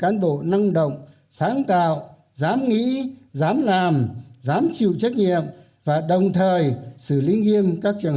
cán bộ năng động sáng tạo dám nghĩ dám làm dám chịu trách nhiệm và đồng thời xử lý nghiêm các trường